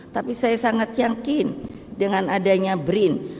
tapi saya sangat yakin dengan adanya brin